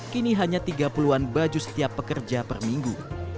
kini hanya tiga puluh an baju setiap pekerja per minggu